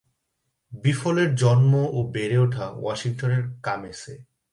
বিফলের জন্ম ও বেড়ে ওঠা ওয়াশিংটনের কামেসে।